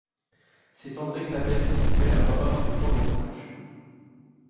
C'est André Tabet qui fait la voix-off du court-métrage.